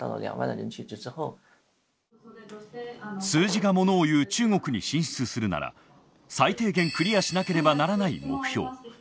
数字がものをいう中国に進出するなら最低限クリアしなければならない目標。